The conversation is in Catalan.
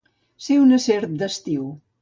Ser una serp d'estiu.